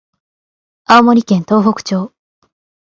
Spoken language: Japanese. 青森県東北町